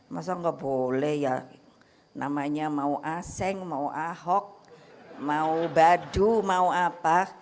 masa nggak boleh ya namanya mau aseng mau ahok mau badu mau apa